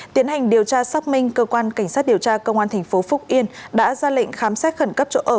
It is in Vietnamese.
tiến hành điều tra xác minh cơ quan cảnh sát điều tra công an thành phố phúc yên đã ra lệnh khám xét khẩn cấp chỗ ở